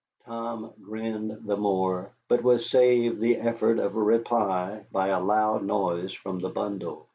Tom grinned the more, but was saved the effort of a reply by a loud noise from the bundle.